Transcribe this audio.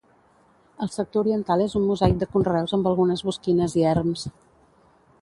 El sector oriental és un mosaic de conreus amb algunes bosquines i erms.